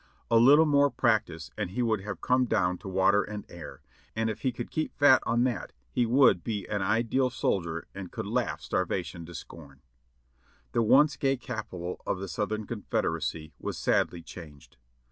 A little more prac tice and he would have come down to water and air, and if he could keep fat on that he would be an ideal soldier and could lauoh starvation to scorn. SHADOWS 683 The once gay Capital of the Southern Confederacy was sadly clianged.